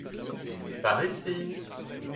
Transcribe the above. Par ici.